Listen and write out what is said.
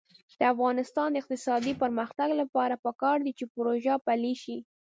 د افغانستان د اقتصادي پرمختګ لپاره پکار ده چې پروژه پلي شي.